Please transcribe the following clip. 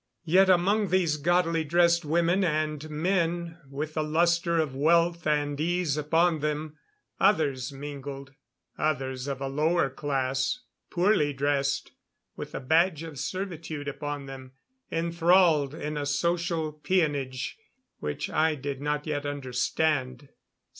Yet among these gaudily dressed women and men with the luster of wealth and ease upon them, others mingled. Others of a lower class, poorly dressed, with the badge of servitude upon them, enthralled in a social peonage which I did not yet understand.